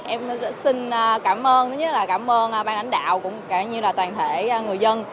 em xin cảm ơn tất nhiên là cảm ơn ban lãnh đạo cũng như toàn thể người dân